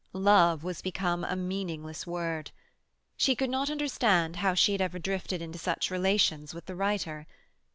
Love was become a meaningless word. She could not understand how she had ever drifted into such relations with the writer.